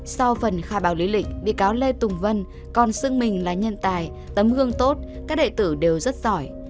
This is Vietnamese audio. sau phần khai báo lý lịch vị cáo lê tùng vân còn xưng mình là nhân tài tấm hương tốt các đệ tử đều rất giỏi